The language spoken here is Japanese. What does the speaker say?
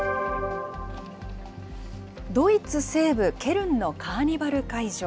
ドイツ西部ケルンのカーニバル会場。